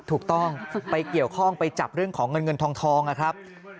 ถูกต้องไปเกี่ยวข้องไปจับเรื่องของเงินเงินทองนะครับ